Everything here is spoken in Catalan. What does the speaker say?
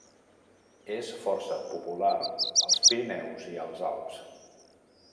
És força popular als Pirineus i als Alps.